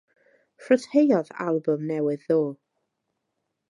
Rhyddhaodd albwm newydd ddoe.